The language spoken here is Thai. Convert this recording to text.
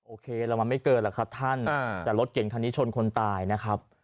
โอเคแล้วมันไม่เกินหรอกครับท่านแต่รถเก่งคันนี้ชนคนตายนะครับ